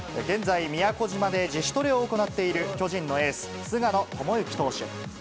現在、宮古島で自主トレを行っている巨人のエース、菅野智之投手。